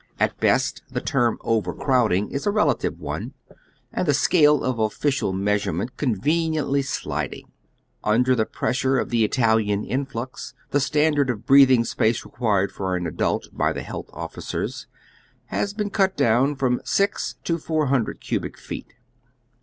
At best the term overcrowding is a I'elative one, and the scale of offi cial measurement conveniently sliding. Under the press ure of the Italian influx the standard of breathing space required for an adult by the health officers has been cut down from six to four hundred cubic feet.